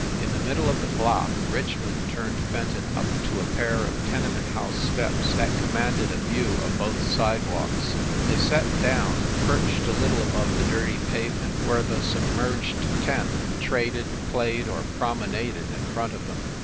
In the middle of the block Richmond turned Fenton up to a pair of tenement house steps that commanded a view of both sidewalks. They sat down, perched a little above the dirty pavement where the submerged tenth traded, played or promenaded in front of them.